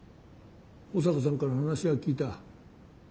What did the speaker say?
保坂さんから話は聞いた。